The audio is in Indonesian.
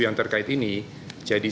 yang terkait ini jadi